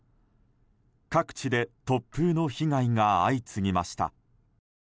各地で突風の被害が相次ぎました。